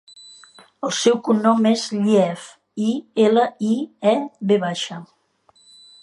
El seu cognom és Iliev: i, ela, i, e, ve baixa.